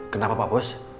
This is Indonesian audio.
kenapa pak bos